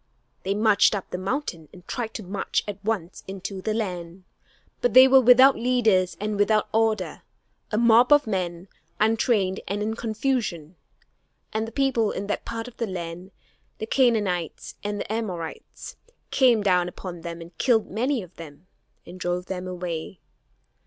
They marched up the mountain and tried to march at once into the land. But they were without leaders and without order a mob of men, untrained and in confusion. And the people in that part of the land, the Canaanites and the Amorites, came down upon them and killed many of them and drove them away.